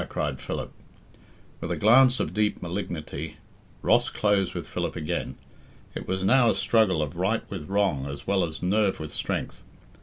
cried Philip. With a glance of deep malignity, Ross closed with Philip again. It was now a struggle of right with wrong as well as nerve with strength.